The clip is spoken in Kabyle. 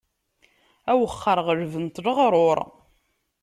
Awexxer ɣelben-t leɣruṛ.